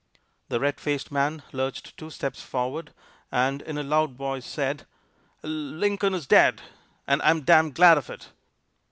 The red faced man lurched two steps forward, and in a loud voice said, "L L Lincoln is dead an' I'm damn glad of it!"